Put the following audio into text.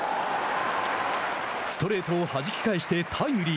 ストレートをはじき返してタイムリー。